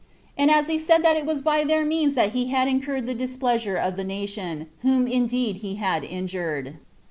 And he said that it was by their means that he had incurred the displeasure of the nation, whom indeed he had injured.